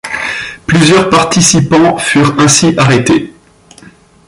Plusieurs participants furent ainsi arrêtés.